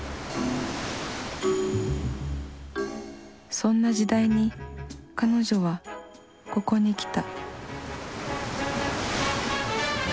そんな時代に彼女はここに来た。